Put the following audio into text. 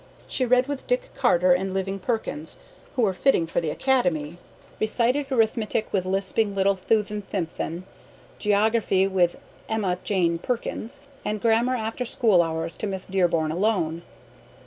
She read with Dick Carter and Living Perkins, who were fitting for the academy; recited arithmetic with lisping little Thuthan Thimpthon; geography with Emma Jane Perkins, and grammar after school hours to Miss Dearborn alone.